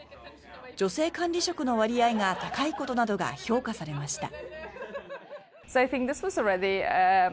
女性管理職の割合が高いことなどが評価されました。